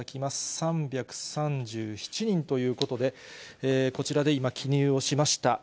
３３７人ということで、こちらで今、記入をしました。